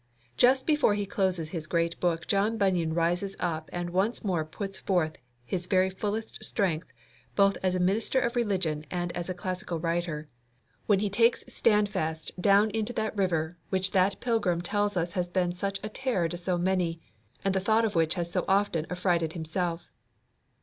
Just before he closes his great book John Bunyan rises up and once more puts forth his very fullest strength, both as a minister of religion and as a classical writer, when he takes Standfast down into that river which that pilgrim tells us has been such a terror to so many, and the thought of which has so often affrighted himself.